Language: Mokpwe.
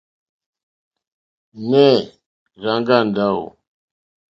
Nɛh Rzang'a Ndawo?